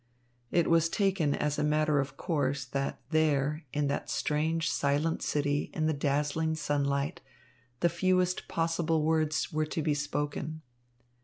It was taken as a matter of course that there, in that strange, silent city in the dazzling sunlight, the fewest possible words were to be spoken.